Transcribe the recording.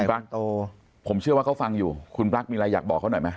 ปลั๊กผมเชื่อว่าเขาฟังอยู่คุณปลั๊กมีอะไรอยากบอกเขาหน่อยไหม